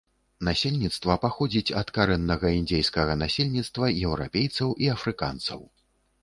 Насельніцтва паходзіць ад карэннага індзейскага насельніцтва, еўрапейцаў і афрыканцаў.